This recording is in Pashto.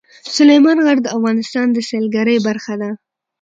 سلیمان غر د افغانستان د سیلګرۍ برخه ده.